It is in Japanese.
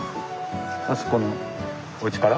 あそこのおうちから？